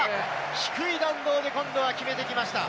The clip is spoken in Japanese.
低い弾道で今度は決めていきました！